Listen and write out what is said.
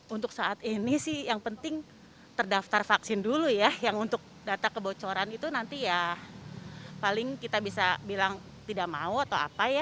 untuk saat ini sih yang penting terdaftar vaksin dulu ya yang untuk data kebocoran itu nanti ya paling kita bisa bilang tidak mau atau apa ya